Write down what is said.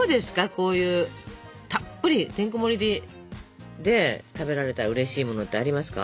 こういうたっぷりてんこもりで食べられたらうれしいものってありますか？